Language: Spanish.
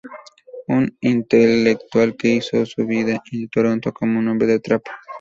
Un intelectual que hizo su vida en Toronto como un hombre de trapo.